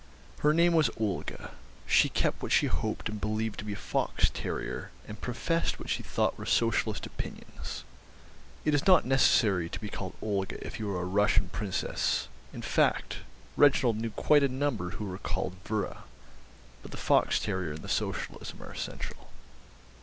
Her name was Olga; she kept what she hoped and believed to be a fox terrier, and professed what she thought were Socialist opinions. It is not necessary to be called Olga if you are a Russian Princess; in fact, Reginald knew quite a number who were called Vera; but the fox terrier and the Socialism are essential.